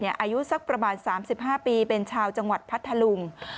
อายุสักประมาณ๓๕ปีเป็นชาวจังหวัดพัทธลุง